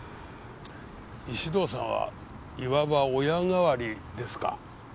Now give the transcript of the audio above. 石堂さんは言わば親代わりですか？